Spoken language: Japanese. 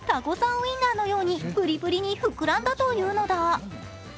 ウインナーのようにプリプリに膨らんだというのだ。